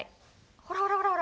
ほらほらほらほら！